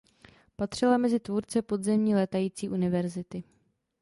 Patřila mezi tvůrce podzemní létající univerzity.